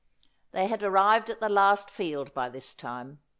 They had arrived at the last field by this time.